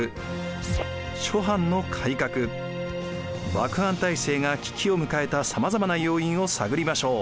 幕藩体制が危機を迎えたさまざまな要因を探りましょう。